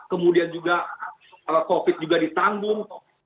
kemudian juga covid juga ditanggung